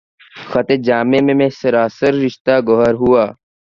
خطِ جامِ مے سراسر، رشتہٴ گوہر ہوا